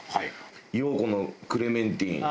陽子のクレメンティン。